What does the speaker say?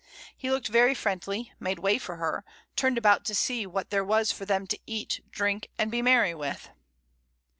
He looked very friendly, made way for her, turned about to see what there was for them to eat, drink, and be merry with.